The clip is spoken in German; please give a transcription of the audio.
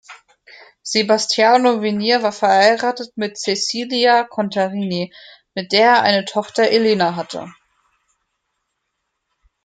Sebastiano Venier war verheiratet mit Cecilia Contarini, mit der er eine Tochter Elena hatte.